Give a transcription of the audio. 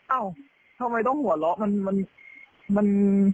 เอ้าทำไมต้องหัวเราะมัน